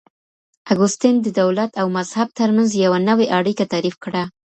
اګوستين د دولت او مذهب ترمنځ يوه نوې اړيکه تعريف کړه.